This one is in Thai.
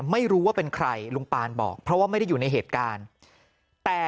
ไม่รู้ว่าเป็นใครลุงปานบอกเพราะว่าไม่ได้อยู่ในเหตุการณ์แต่